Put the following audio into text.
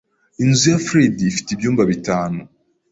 Inzu ya Fred ifite ibyumba bitanu.